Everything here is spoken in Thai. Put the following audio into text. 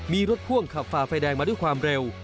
มีรถพ่วงขับฝ่าไฟแดงมาด้วยความเร็ว